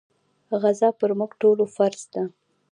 غزا پر موږ ټولو فرض ده.